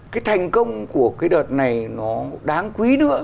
cái thành công của cái đợt này nó đáng quý nữa